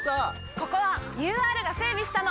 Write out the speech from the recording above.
ここはＵＲが整備したの！